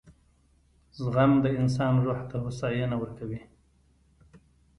• زغم د انسان روح ته هوساینه ورکوي.